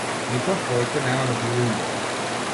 Никогаш повеќе нема да биде убава.